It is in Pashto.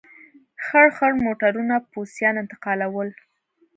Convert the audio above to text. خړ خړ موټرونه پوځیان انتقالول.